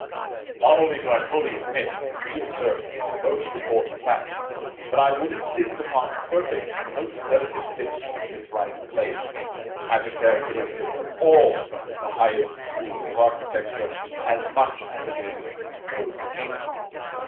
Not only do I fully admit and re assert this most important fact, but I would insist upon perfect and most delicate finish in its right place, as a characteristic of all the highest schools of architecture, as much as it is those of painting.